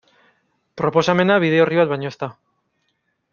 Proposamena bide orri bat baino ez da.